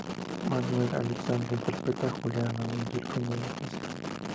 Manuel Alexandre interpreta a Julián Alonso, el cuñado de Plácido.